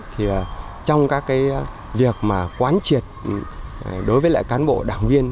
thì trong các cái việc mà quán triệt đối với lại cán bộ đảng viên